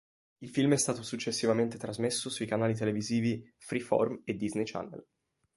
Il film è stato successivamente trasmesso sui canali televisivi Freeform e Disney Channel.